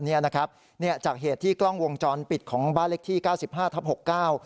เนี้ยนะครับเนี่ยจากเหตุที่กล้องวงจรปิดของบ้านเล็กที่เก้าสิบห้าทับหกเก้า